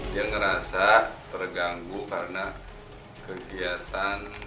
dia ngerasa terganggu karena kegiatan